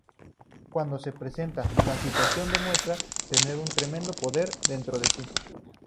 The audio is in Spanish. Cuando se presenta la situación, demuestra tener un tremendo poder dentro de sí.